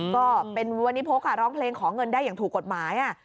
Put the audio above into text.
ก็เป็นวัณิพกร้องเพลงขอเงินได้อย่างถูกกฎหมาย